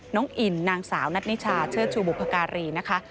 น้องอินนางสาวนัทนิชาเชิดชูบุพการีนะคะ